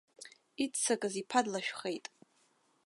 Иццакыз иԥа длашәхеит.